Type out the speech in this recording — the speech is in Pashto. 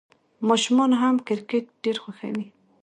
ماشومان هم کرکټ ډېر خوښوي.